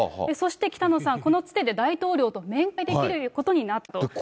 そして北野さん、このつてで大統領と面会できることになったと。